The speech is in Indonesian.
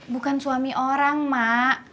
bukan suami orang mak